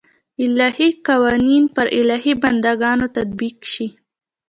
الهي قوانین پر الهي بنده ګانو تطبیق شي.